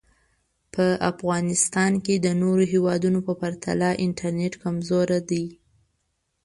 په افغانیستان کې د نورو هېوادونو پرتله انټرنټ کمزوری دی